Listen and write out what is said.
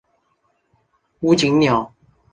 胡锦鸟。